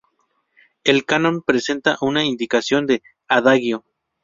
El canon presenta una indicación de "Adagio".